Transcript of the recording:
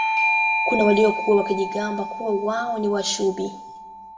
kuna waliokuwa wakijigamba kuwa wao ni Washubi